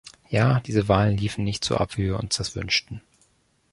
Ja, diese Wahlen liefen nicht so ab, wie wir das wünschten.